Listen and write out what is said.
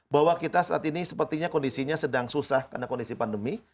bahwa kita saat ini sepertinya kondisinya sedang susah karena kondisi pandemi